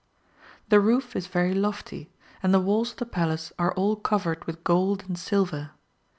The roof is very lofty, and the walls of the Palace are all covered with gold and silver.